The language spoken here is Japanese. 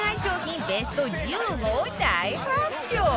ベスト１５を大発表！